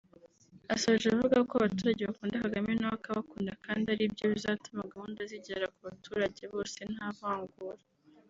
Asoje avuga ko abaturage bakunda Kagame nawe akabakunda kandi aribyo bizatuma gahunda zigera ku baturage bose nta vangura